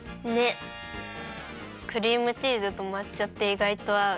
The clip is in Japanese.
クリームチーズとまっ茶っていがいとあう。